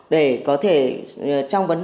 để có thể trong vài năm